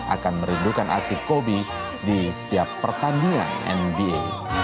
akan merindukan aksi kobi di setiap pertandingan nba